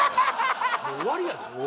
もう終わりやで。